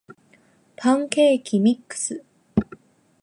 パンケーキミックス